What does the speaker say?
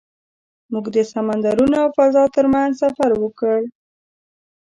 موږ د سمندرونو او فضا تر منځ سفر وکړ.